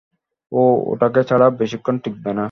ও ওটাকে ছাড়া বেশিক্ষণ টিকবে না।